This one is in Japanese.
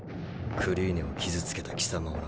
クリーネを傷つけた貴様をな。